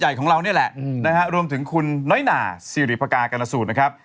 ของเรานี่แหละนะฮะรวมถึงคุณน้อยหนาสิริพกากรณสูตรนะครับ